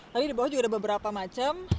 tapi di bawah juga ada beberapa macam